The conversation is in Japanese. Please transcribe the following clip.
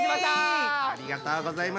ありがとうございます。